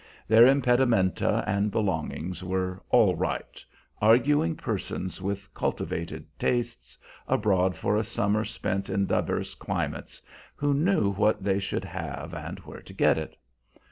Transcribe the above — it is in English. Their impedimenta and belongings were "all right," arguing persons with cultivated tastes, abroad for a summer spent in divers climates, who knew what they should have and where to get it.